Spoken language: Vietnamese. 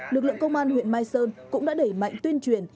lực lượng công an huyện mai sơn cũng đã đẩy mạnh tuyên truyền